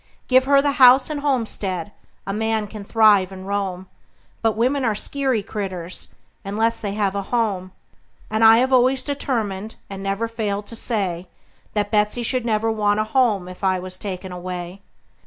Give her the house and homestead a man can thrive and roam; But women are skeery critters, unless they have a home; And I have always determined, and never failed to say, That Betsey never should want a home if I was taken away.